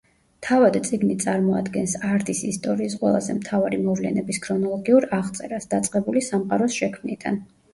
თავად წიგნი წარმოადგენს არდის ისტორიის ყველაზე მთავარი მოვლენების ქრონოლოგიურ აღწერას, დაწყებული სამყაროს შექმნიდან.